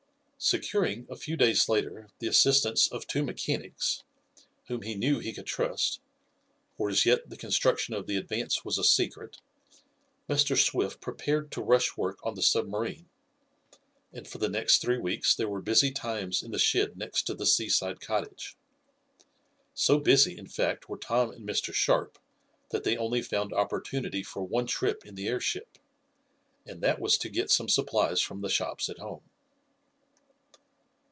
Securing, a few days later, the assistance of two mechanics, whom he knew he could trust, for as yet the construction of the Advance was a secret, Mr. Swift prepared to rush work on the submarine, and for the next three weeks there were busy times in the shed next to the seaside cottage. So busy, in fact, were Tom and Mr. Sharp, that they only found opportunity for one trip in the airship, and that was to get some supplies from the shops at home.